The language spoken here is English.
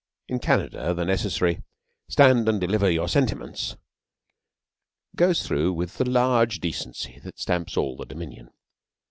In Canada the necessary 'Stand and deliver your sentiments' goes through with the large decency that stamps all the Dominion.